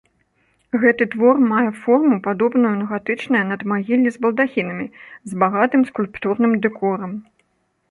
Гэтая твор мае форму, падобную на гатычныя надмагіллі з балдахінам, з багатым скульптурным дэкорам.